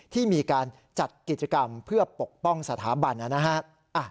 ที่มีการจัดกิจกรรมเพื่อปกป้องสถาบันนะฮะ